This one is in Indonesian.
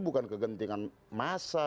bukan kegentingan masa